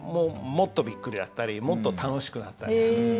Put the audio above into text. もっとびっくりだったりもっと楽しくなったりする。